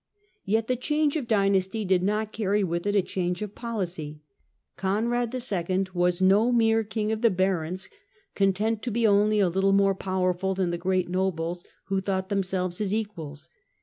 Yet the change of dynasty did not carry with it a change of policy. Conrad II. was no mere ' king of the barons," content to be only a little more powerful than the great nobles, who thought themselves his equals.